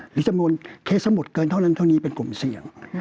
หรือจำนวนเคสสมุทรเกินเท่านั้นเท่านี้เป็นกลุ่มเสี่ยง